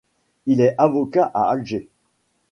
Il est avocat à Alger.